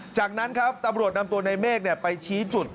จากนั้นครับตำรวจนำตัวในเมฆไปชี้จุด